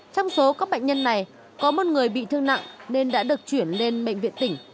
trong số các bệnh nhân này có một người bị thương nặng nên đã được chuyển lên bệnh viện tỉnh